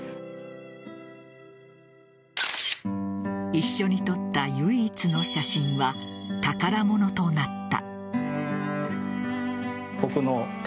一緒に撮った唯一の写真は宝物となった。